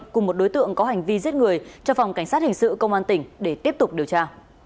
cùng một đối tượng có hành vi giết người cho phòng cảnh sát hình sự công an tỉnh để tiếp tục điều tra